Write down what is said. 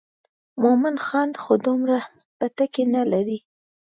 مومن خان خو دومره بتکۍ نه لري.